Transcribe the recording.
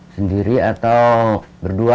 sendiri atau berdua